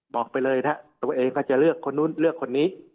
บอกไปเลยนะตัวเองก็จะเลือกคนนู้นเลือกคนนี้